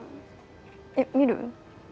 えっ見る？